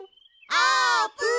あーぷん！